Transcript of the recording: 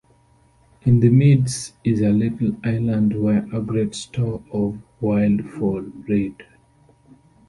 In the midst is a little island where a great store of Wildfowle breed...